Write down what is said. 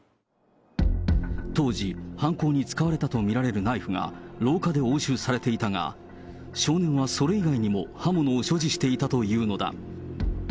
当時、犯行に使われたと見られるナイフが、廊下で押収されていたが、少年はそれ以外にも刃物を所持していたというのだ。